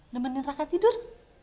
nemenin raka tidur